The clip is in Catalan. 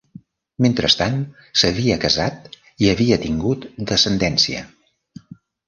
Mentrestant, s'havia casat i havia tingut descendència.